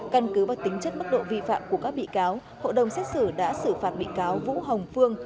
căn cứ và tính chất mức độ vi phạm của các bị cáo hội đồng xét xử đã xử phạt bị cáo vũ hồng phương